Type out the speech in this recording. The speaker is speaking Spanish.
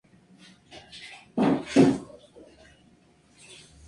Como su nombre lo indica fue dedicado a Santa Elena.